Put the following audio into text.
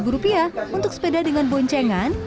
rp dua puluh lima untuk sepeda dengan boncengan